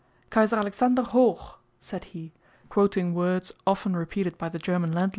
Kaiser Alexander hoch!" *(2) said he, quoting words often repeated by the German landlord.